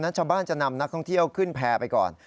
ชาวบ้านจะนำนักท่องเที่ยวขึ้นแพร่ไปก่อน